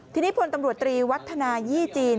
ทีนี้พลตำรวจตรีวัฒนายี่จีน